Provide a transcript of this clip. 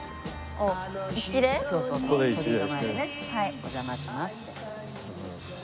お邪魔しますって。